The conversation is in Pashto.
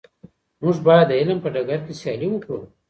موږ باید د علم په ډګر کي سیالي وکړو.